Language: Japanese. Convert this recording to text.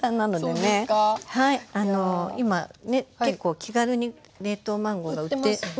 今ね結構気軽に冷凍マンゴーが売ってるのでね